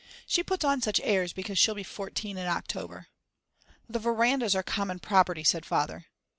She puts on such airs because she'll be fourteen in October. "The verandas are common property," said Father.